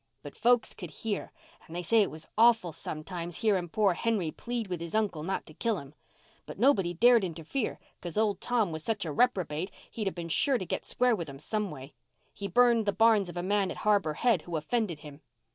But folks could hear, and they say it was awful sometimes hearing poor Henry plead with his uncle not to kill him. But nobody dared interfere 'cause old Tom was such a reprobate he'd have been sure to get square with 'em some way. He burned the barns of a man at Harbour Head who offended him.